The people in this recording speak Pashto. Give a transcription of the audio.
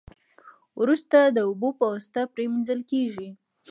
وروسته د اوبو په واسطه پری مینځل کیږي.